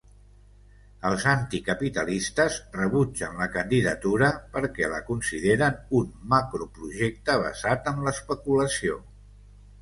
Els anticapitalistes rebutgen la candidatura perquè la consideren un “macroprojecte basat en l’especulació”.